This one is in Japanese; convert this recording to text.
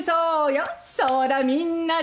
「そらみんなで」